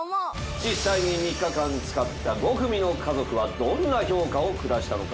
実際に３日間使った５組の家族はどんな評価を下したのか？